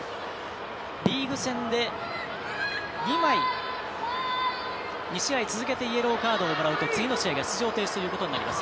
リーグ戦で２枚２試合続けてイエローカードをもらうと次の試合が出場停止となります。